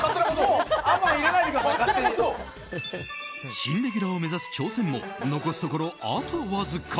新レギュラーを目指す挑戦も残すところ、あとわずか。